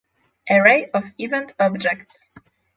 Array of event objects